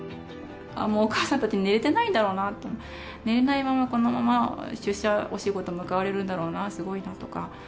もうお母さんたち、寝れてないんだろうなって、寝れないまま、このまま出社、お仕事向かわれるんだろうな、すごいなとか。